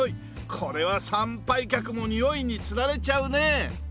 これは参拝客も匂いにつられちゃうねえ。